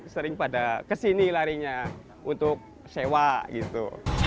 sering pada kesini larinya untuk sewa gitu